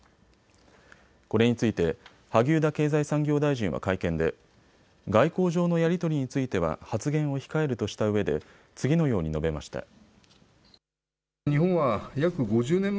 これについて萩生田経済産業大臣は会見で外交上のやり取りについては発言を控えるとしたうえで次のように述べました。